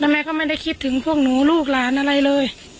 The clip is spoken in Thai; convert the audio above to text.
แม่ก็ไม่ได้คิดถึงพวกหนูลูกหลานอะไรเลย